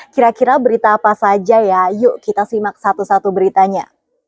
kira kira berita apa saja ya yuk kita simak satu satu beritanya